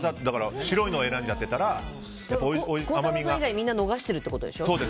白いのを選んじゃってたら孝太郎さん以外みんな逃してるってことでしょ。